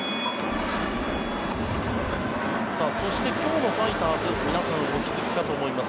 そして、今日のファイターズ皆さん、お気付きかと思います。